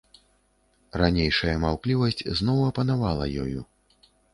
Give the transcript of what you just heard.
Ранейшая маўклівасць зноў апанавала ёю.